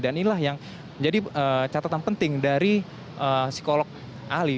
dan inilah yang menjadi catatan penting dari psikolog ahli